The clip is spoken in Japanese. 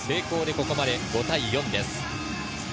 ここまで５対４です。